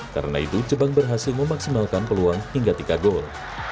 karena itu jepang berhasil memaksimalkan peluang hingga tiga gol